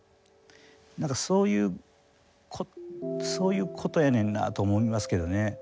何かそういうことやねんなと思いますけどね。